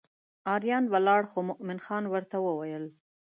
اریان ولاړ خو مومن خان ورته وویل.